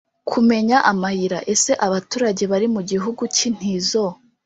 kumenya amayira Ese abaturage bari mu gihugu k intizo